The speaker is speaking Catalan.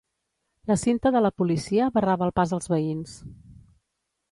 La cinta de la policia barrava el pas als veïns.